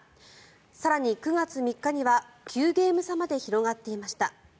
更に、９月３日には９ゲーム差まで広がっていました。